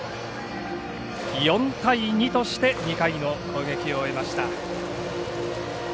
４対２として２回の攻撃を終えました。